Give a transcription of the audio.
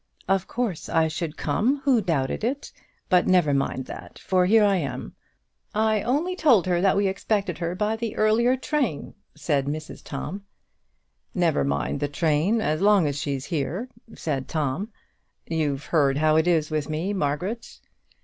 "Of course I should come; who doubted it? But never mind that, for here I am." "I only told her that we expected her by the earlier train," said Mrs Tom. "Never mind the train as long as she's here," said Tom. "You've heard how it is with me, Margaret?"